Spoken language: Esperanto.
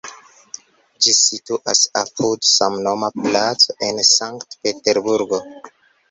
Ĝi situas apud samnoma placo en Sankt-Peterburgo.